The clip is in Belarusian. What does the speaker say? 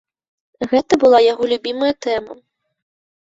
Гэта была яго любімая тэма.